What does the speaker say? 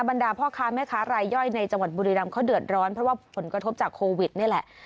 บรรดาพ่อค้าแม่ค้ารายย่อยในจังหวัดบุรีรำเขาเดือดร้อนเพราะว่าผลกระทบจากโควิดนี่แหละ